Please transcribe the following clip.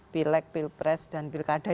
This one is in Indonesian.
pilk pilpres dan pilkada itu kan